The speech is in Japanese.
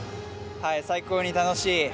最高に楽しい。